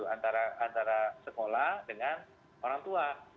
antara sekolah dengan orang tua